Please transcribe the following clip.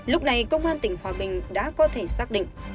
lúc này công an tỉnh hòa bình đã có thể xác định